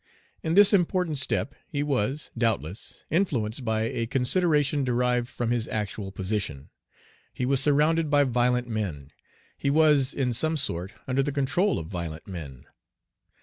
In this important step, he was, doubtless, influenced by a consideration derived from his actual position. He was surrounded by violent men. He was, in some sort, under the control of violent men.